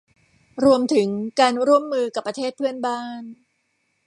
รวมถึงการร่วมมือกับประเทศเพื่อนบ้าน